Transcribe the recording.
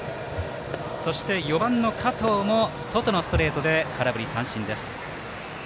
そして４番の加藤も外のストレートで空振り三振。